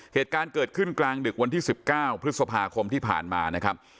เหตุการณ์เกิดขึ้นกลางดึกวันที่๑๙พฤษภาคมที่ผ่านมานะครับ